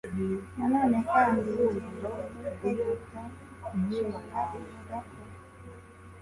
Na none kandi ingingo ya y Itegeko Nshinga ivugako